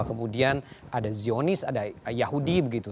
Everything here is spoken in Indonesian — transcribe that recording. kemudian ada zionis ada yahudi begitu